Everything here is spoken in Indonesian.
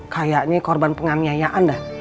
kayaknya korban penganiayaan dah